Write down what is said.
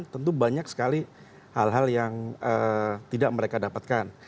tentu banyak sekali hal hal yang tidak mereka dapatkan